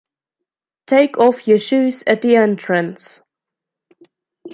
Take off your shoes at the entrance.